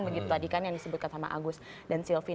begitu tadi kan yang disebutkan sama agus dan silvi